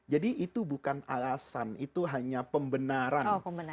jadi itu bukan alasan itu hanya pembenaran